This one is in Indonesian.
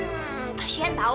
hmm kasian tau